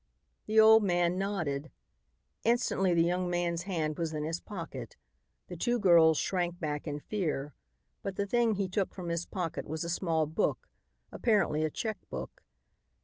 The old man nodded. Instantly the young man's hand was in his pocket. The two girls shrank back in fear. But the thing he took from his pocket was a small book, apparently a check book.